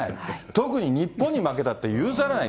特に日本に負けたって許されない。